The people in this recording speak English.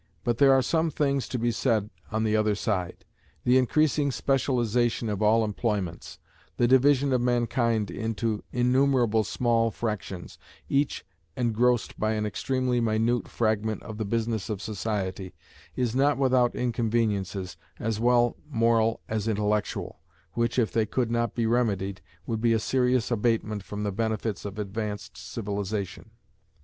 But there are some things to be said on the other side. The increasing specialisation of all employments; the division of mankind into innumerable small fractions, each engrossed by an extremely minute fragment of the business of society, is not without inconveniences, as well moral as intellectual, which, if they could not be remedied, would be a serious abatement from the benefits of advanced civilization.